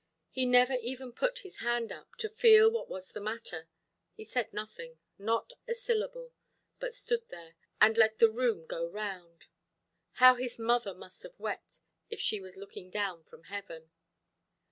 He never even put his hand up, to feel what was the matter. He said nothing, not a syllable; but stood there, and let the room go round. How his mother must have wept, if she was looking down from heaven!